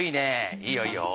いいよいいよ。